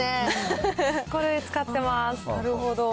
これ使ってます。